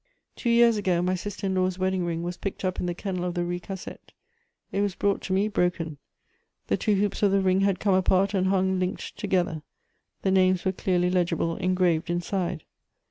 Two years ago my sister in law's wedding ring was picked up in the kennel of the Rue Cassette; it was brought to me, broken; the two hoops of the ring had come apart and hung linked together; the names were clearly legible engraved inside.